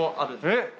えっ？